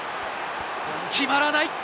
決まらない！